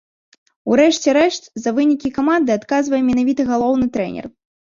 У рэшце рэшт, за вынікі каманды адказвае менавіта галоўны трэнер.